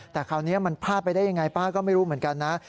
แต่คราวนี้มันพลาดไปได้ยังไงป้าก็ไม่รู้เหมือนกันนะ